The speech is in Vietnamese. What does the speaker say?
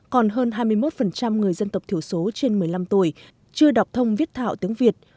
còn hơn hai mươi một người dân tộc thiểu số trên một mươi năm tuổi chưa đọc thông viết thạo tiếng việt